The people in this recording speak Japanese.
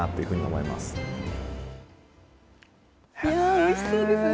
おいしそうですね。